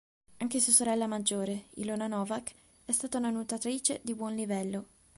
Anche sua sorella maggiore, Ilona Novák è stata una nuotatrice di buon livello.